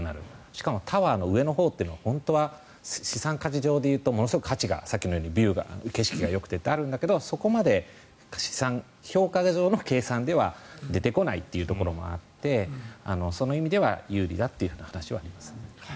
しかもタワーの上のほうは本当は資産価値上でいうとさっきのようにビューがよくてものすごく高いんだけどそこまで資産評価上の計算では出てこないというところもあってその意味では有利だという話はあります。